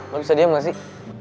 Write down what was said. lo bisa diem gak sih